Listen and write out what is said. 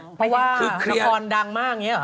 เพราะว่าคือละครดังมากอย่างนี้หรอ